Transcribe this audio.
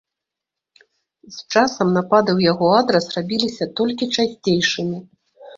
З часам напады ў яго адрас рабіліся толькі часцейшымі.